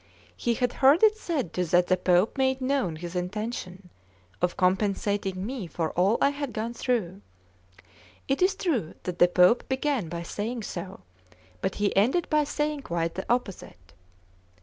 He had heard it said that the Pope made known his intention of compensating me for all I had gone through. It is true that the Pope began by saying so, but he ended by saying quite the opposite.